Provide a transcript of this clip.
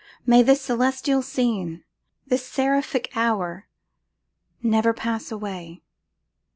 May this celestial scene, this seraphic hour, never pass away.